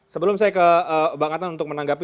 sebelum saya ke bang adnan untuk menanggapi